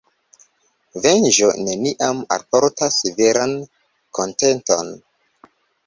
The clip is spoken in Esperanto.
Venĝo neniam alportas veran kontenton.